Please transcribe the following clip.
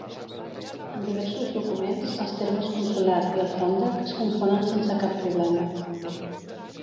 En diversos documents els termes consolat i alfòndec es confonen sense cap problema.